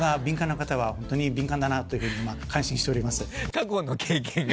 過去の経験が。